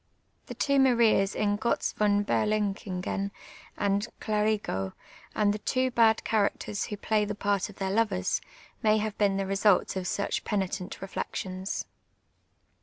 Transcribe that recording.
The two .Marias in (ibtz von BcrluhiiKjen and Cluvitjo^ and the two bad cha racters who play the part of their lovers, may have been the results of such penitent reflections.